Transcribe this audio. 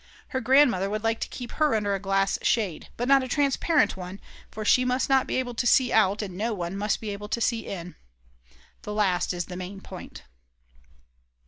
Her grandmother would like to keep her under a glass shade; but not a transparent one, for she must not be able to see out, and no one must be able to see in. (The last is the main point.)